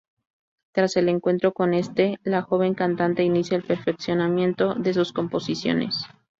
Tras el encuentro con este, la joven cantante inicia el perfeccionamiento de sus composiciones.